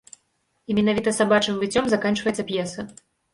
І менавіта сабачым выццём заканчваецца п'еса.